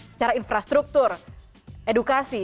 secara infrastruktur edukasi